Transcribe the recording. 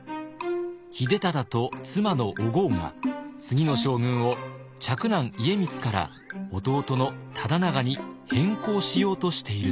秀忠と妻のお江が次の将軍を嫡男家光から弟の忠長に変更しようとしていると。